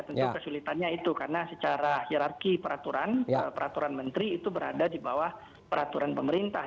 tentu kesulitannya itu karena secara hirarki peraturan peraturan menteri itu berada di bawah peraturan pemerintah